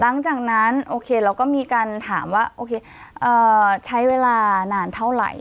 หลังจากนั้นโอเคเราก็มีการถามว่าโอเคใช้เวลานานเท่าไหร่